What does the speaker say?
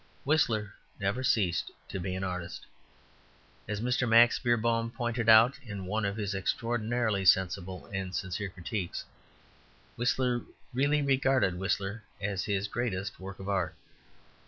Whistler never ceased to be an artist. As Mr. Max Beerbohm pointed out in one of his extraordinarily sensible and sincere critiques, Whistler really regarded Whistler as his greatest work of art.